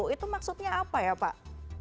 itu maksudnya apa ya pak